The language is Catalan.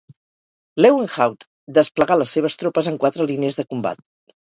Lewenhaupt desplegà les seves tropes en quatre línies de combat.